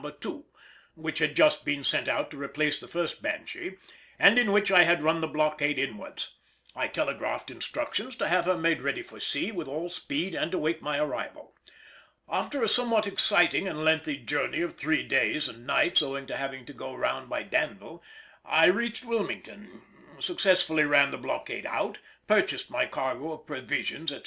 2, which had just been sent out to replace the first Banshee, and in which I had run the blockade inwards. I telegraphed instructions to have her made ready for sea with all speed and await my arrival. After a somewhat exciting and lengthy journey of three days and nights, owing to having to go round by Danville, I reached Wilmington, successfully ran the blockade out, purchased my cargo of provisions, etc.